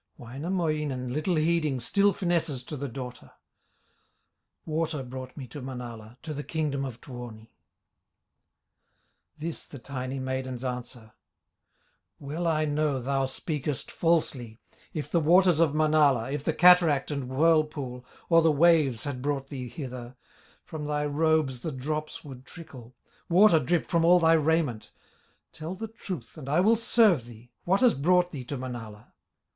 Wainamoinen, little heeding, Still finesses to the daughter: "Water brought me to Manala, To the kingdom of Tuoni." This the tiny maiden's answer: "Well I know thou speakest falsely; If the waters of Manala, If the cataract and whirlpool, Or the waves had brought thee hither, From thy robes the drops would trickle, Water drip from all thy raiment. Tell the truth and I will serve thee, What has brought thee to Manala?"